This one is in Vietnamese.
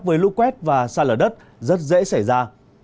với lũ quét và xa lở đất rất dễ xảy ra